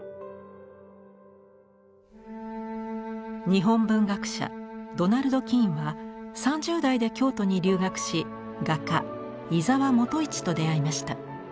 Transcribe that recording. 日本文学者ドナルド・キーンは３０代で京都に留学し画家井澤元一と出会いました。